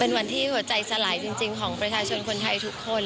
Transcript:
เป็นวันที่หัวใจสลายจริงของประชาชนคนไทยทุกคน